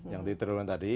yang ditriliun tadi